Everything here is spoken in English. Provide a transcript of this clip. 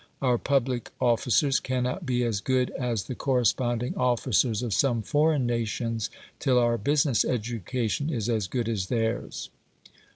Our public officers cannot be as good as the corresponding officers of some foreign nations till our business education is as good as theirs.